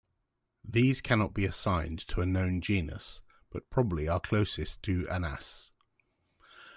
These cannot be assigned to a known genus, but probably are closest to "Anas".